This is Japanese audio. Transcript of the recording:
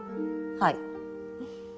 はい。